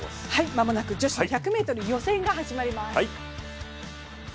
間もなく女子１００ｍ予選が始まります。